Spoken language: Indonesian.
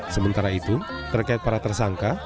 sementara itu terkait para tersangka